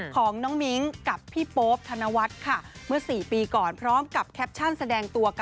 ก็ต้องนอนกันแล้ว